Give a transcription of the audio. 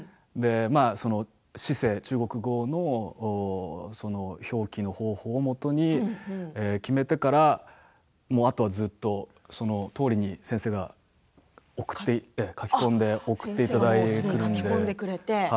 その四声で中国語の表記の方法をもとに決めてからあとはずっとそのとおりに先生が書き込んで送っていただくので。